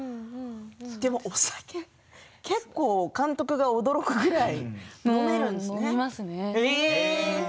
でもお酒、結構監督が驚くぐらい飲めるんですね。